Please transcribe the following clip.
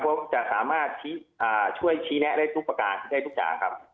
เพราะจะสามารถช่วยชี้แนะได้ทุกประการได้ทุกอย่างครับ